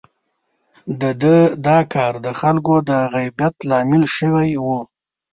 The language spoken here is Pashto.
د ده دا کار د خلکو د غيبت لامل شوی و.